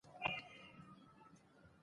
اقلیم د افغان کلتور په داستانونو کې راځي.